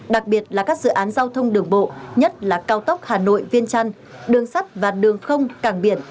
đặc biệt là các dự án giao thông đường bộ nhất là cao tốc hà nội viên trăn đường sắt và đường không cảng biển